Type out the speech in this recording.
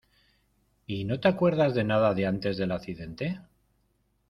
¿ y no te acuerdas de nada de antes del accidente?